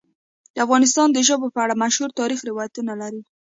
افغانستان د ژبو په اړه مشهور تاریخی روایتونه لري.